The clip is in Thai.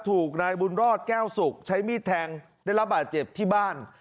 ถูกนายบุญรอดแก้วสุกใช้มีดแทงได้รับบาดเจ็บที่บ้าน